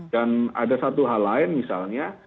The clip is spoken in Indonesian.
dan ada satu hal lain misalnya